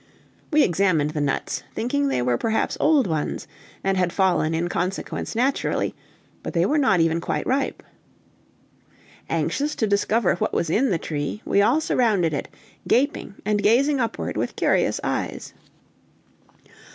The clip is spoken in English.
We examined the nuts, thinking they were perhaps old ones, and had fallen, in consequence, naturally, but they were not even quite ripe. Anxious to discover what was in the tree, we all surrounded it, gaping and gazing upward with curious eyes.